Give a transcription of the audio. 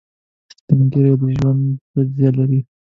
سپین ږیری د ژوند تجربه لري